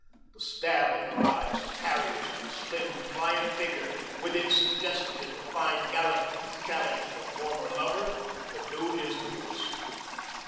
The stab of her eyes, the carriage of the slim, pliant figure with its suggestion of fine gallantry, challenged her former lover to do his worst.